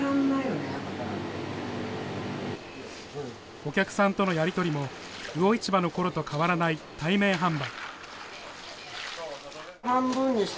お客さんとのやり取りも魚市場のころと変わらない対面販売。